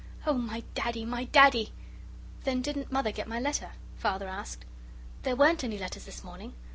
Oh, my Daddy, my Daddy!" "Then didn't Mother get my letter?" Father asked. "There weren't any letters this morning.